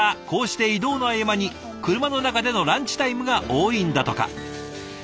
こうして移動の合間に車の中でのランチタイムが多いんだとか。